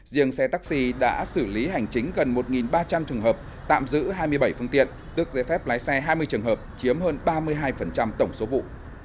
riêng xe taxi đã xử lý hành chính gần một ba trăm linh trường hợp tạm giữ hai mươi bảy phương tiện tước giấy phép lái xe hai mươi trường hợp chiếm hơn ba mươi hai tổng số vụ